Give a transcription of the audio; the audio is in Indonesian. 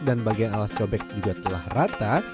dan bagian alas cobek juga telah rata